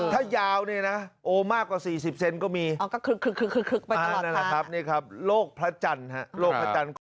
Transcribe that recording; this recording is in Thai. ถ้ายาวนี่นะโอมากกว่า๔๐เซ็นต์ก็มีโลกพระจันทร์ครับ